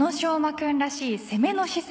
君らしい攻めの姿勢